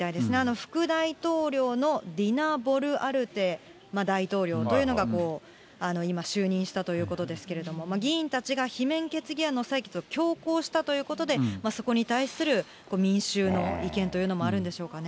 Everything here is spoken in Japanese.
副大統領のディナボルアルテ大統領というのがこう、今、就任したということですけれども、議員たちが罷免決議案の採決を強行したということで、そこに対する民衆の意見というのもあるんでしょうかね。